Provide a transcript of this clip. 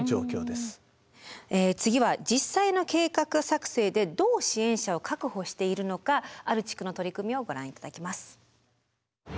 次は実際の計画作成でどう支援者を確保しているのかある地区の取り組みをご覧頂きます。